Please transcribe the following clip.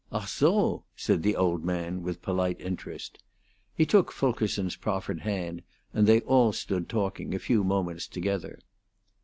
"Ah! zo?" said the old man, with polite interest. He took Fulkerson's proffered hand, and they all stood talking a few moments together.